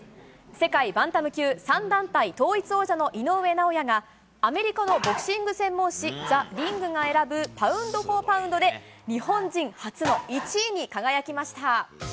世界バンタム級３団体統一王者の井上尚弥がアメリカのボクシング専門誌『ザ・リング』が選ぶパウンド・フォー・パウンドで日本人初の１位に輝きました。